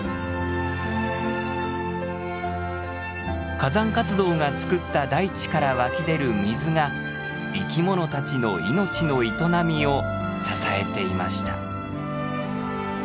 火山活動が作った大地から湧き出る水が生き物たちの命の営みを支えていました。